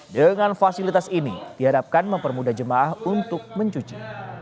dengan fasilitas ini diharapkan mempermudah jemaah untuk mencuci